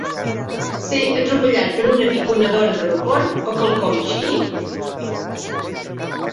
Ser atropellat per una piconadora de vapor o quelcom així?